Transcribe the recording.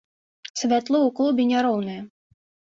Святло ў клубе няроўнае.